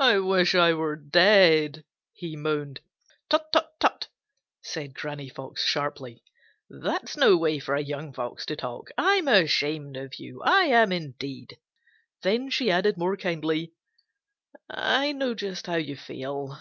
"I wish I were dead," he moaned. "Tut, tut, tut!" said Granny Fox sharply. "That's no way for a young Fox to talk! I'm ashamed of you. I am indeed." Then she added more kindly: "I know just how you feel.